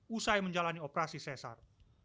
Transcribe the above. usai menjalani operasi sesar